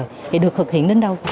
thì được thực hiện đến đâu